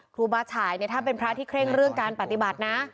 ครูบาฉายเนี่ยถ้าเป็นพระที่เคร่งเรื่องการปฏิบัตินะ